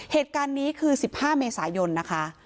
เหตุการณ์นี้คือ๑๕เมษายนนะคะ